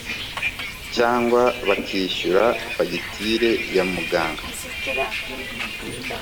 cyangwa bakishyura fagitire ya muganga